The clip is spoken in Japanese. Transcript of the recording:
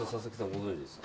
ご存じですか？